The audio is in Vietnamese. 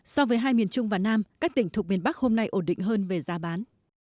so với hai miền trung và nam các tỉnh thuộc miền bắc hôm nay ổn định hơn về giá bán